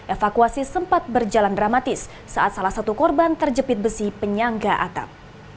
evakuasi sempat berjalan dramatis saat salah satu korban terjepit besi penyangga atap